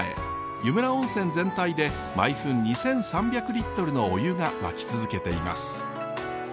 湯村温泉全体で毎分２，３００リットルのお湯が湧き続けています。